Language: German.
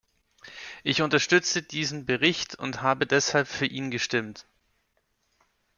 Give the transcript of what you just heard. Ich unterstütze diesen Bericht und habe deshalb für ihn gestimmt.